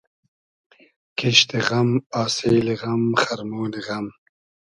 کیشت غئم آسیلی غئم خئرمۉنی غئم